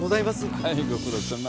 はいご苦労さま。